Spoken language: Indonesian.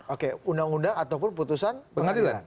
oke undang undang ataupun putusan pengadilan